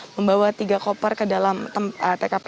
membawa tiga koper ke dalam tkp